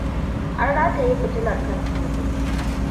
An rataye fitilar kan tebur.